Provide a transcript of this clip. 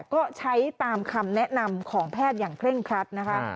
ก็ใช้ตามคำแนะนำของแพทย์อย่างเคร่งครัดนะคะ